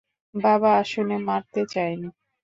বাবা আসলে মারতে চায়নি।